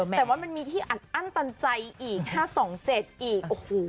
แต่ว่ามันมีที่อ่อนตันใจอีก๕๒๗อีกโอ้โห